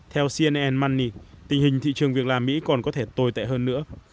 theo cnn munny tình hình thị trường việc làm mỹ còn có thể tồi tệ hơn nữa